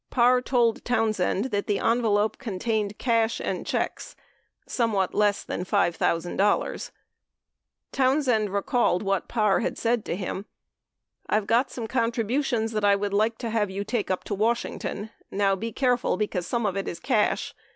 Parr told Townsend that the envelope contained cash and checks, somewhat less than $5,000. Townsend recalled what Parr had said to him: "I've got some contributions that I would like to have you take up to Washing ton ... Now be careful, because some of it is cash